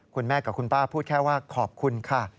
คุณแม่กับคุณป้าพูดแค่ว่าขอบคุณค่ะ